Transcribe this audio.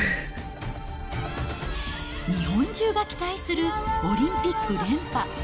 日本中が期待するオリンピック連覇。